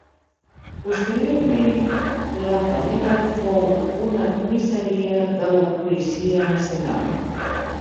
Posteriorment, la Panera fou una comissaria de la Policia Nacional.